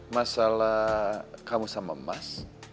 masalah kamu sama mas